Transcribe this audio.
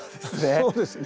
そうですね。